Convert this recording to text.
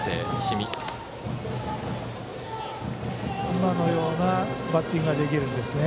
今のようなバッティングできるんですね。